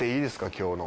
今日の。